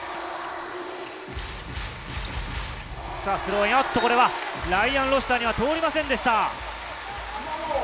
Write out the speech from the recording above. スローイン、ライアン・ロシターには通りませんでした。